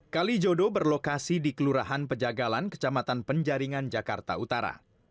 kalijodo berlokasi di kelurahan pejagalan kecamatan penjaringan jakarta utara